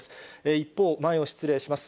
一方、前を失礼します。